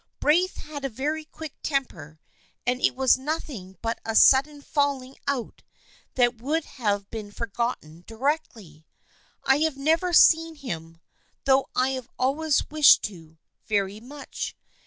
Braith had a very quick temper, and it was nothing but a sudden falling out that would have been forgotten directly. I have never seen him, though I have always wished to, very much.